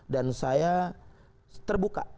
dan saya terbuka